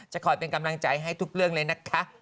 คอยเป็นกำลังใจให้ทุกเรื่องเลยนะคะ